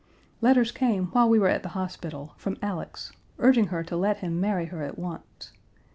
"Letters came while we were at the hospital, from Alex, urging her to let him marry her at once.